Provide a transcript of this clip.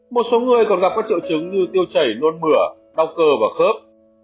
một số người còn gặp các triệu chứng như tiêu chảy nôn mửa đau cơ và khớp